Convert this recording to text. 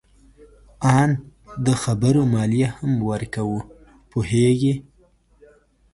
آن د خبرو مالیه هم ورکوو. پوهیږې؟